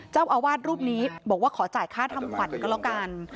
เจ้าอาวาสรูปนี้บอกว่าขอจ่ายค่าทำขวัญก็แล้วกัน